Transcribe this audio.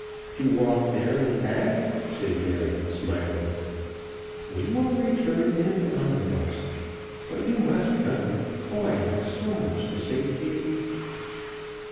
"To walk there and back?" said Mary, smiling. "We will return in an omnibus; but you must come. Oh, I have so much to say to you."